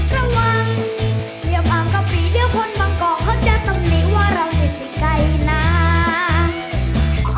ระวังเหลียบอ้างกะปิเดี๋ยวคนบางกอกเขาจะต้องหนีว่าเราไม่สิ่งใกล้นัก